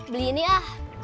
beli ini lah